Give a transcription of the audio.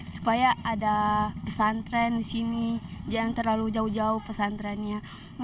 supaya ada pesantren di sini jangan terlalu jauh jauh pesantrennya